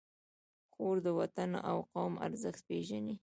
خور د وطن او قوم ارزښت پېژني.